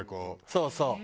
そうそう！